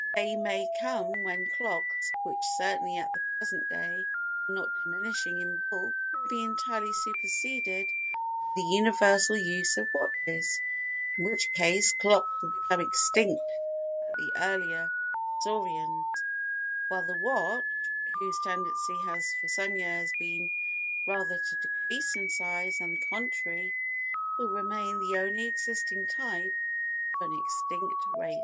The day may come when clocks, which certainly at the present day are not diminishing in bulk, may be entirely superseded by the universal use of watches, in which case clocks will become extinct like the earlier saurians, while the watch (whose tendency has for some years been rather to decrease in size than the contrary) will remain the only existing type of an extinct race.